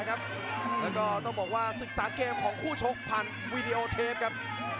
แล้วก็ต้องบอกว่าศึกษาเกมของคู่ชกผ่านวีดีโอเทปครับ